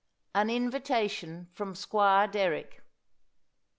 AN INVITATION FROM SQUIRE DERRICK.